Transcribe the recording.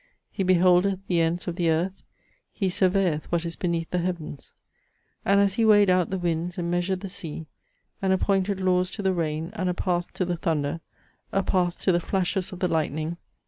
He beholdeth the ends of the earth; He surveyeth what is beneath the heavens! And as he weighed out the winds, and measured the sea, And appointed laws to the rain, And a path to the thunder, A path to the flashes of the lightning!